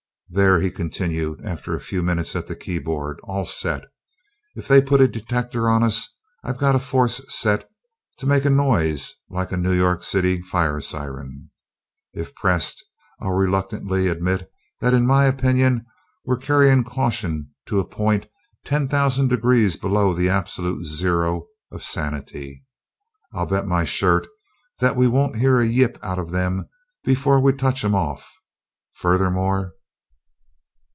"There," he continued, after a few minutes at the keyboard. "All set. If they put a detector on us, I've got a force set to make a noise like a New York City fire siren. If pressed, I'd reluctantly admit that in my opinion we're carrying caution to a point ten thousand degrees below the absolute zero of sanity. I'll bet my shirt that we don't hear a yip out of them before we touch 'em off. Furthermore...."